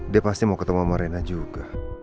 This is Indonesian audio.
dia pasti mau ketemu sama marina juga